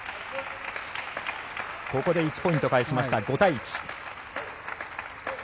ここで１ポイント返しました５対１。